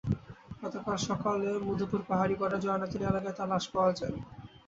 গতকাল সকালে মধুপুর পাহাড়ি গড়ের জয়নাতলী এলাকায় তাঁর লাশ পাওয়া যায়।